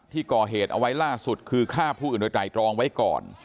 ที่ก่อเหตุเอาไว้ล่าสุดคือฆ่าผู้อื่นโดยไตรรองไว้ก่อน